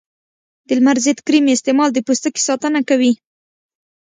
د لمر ضد کریم استعمال د پوستکي ساتنه کوي.